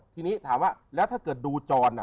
ทีนี้ถามว่าแล้วถ้าเกิดดูจร